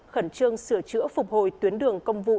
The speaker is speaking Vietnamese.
khẩn trương sửa chữa phục hồi tuyến đường công vụ